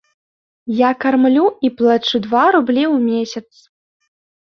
Я кармлю і плачу два рублі ў месяц.